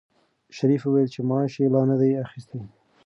شریف وویل چې معاش یې لا نه دی اخیستی.